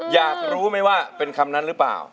อยากรู้ไหมว่าเป็นคำนั้นหรือเปล่า